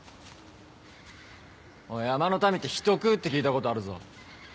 おい山の民って人食うって聞いたことあるぞ。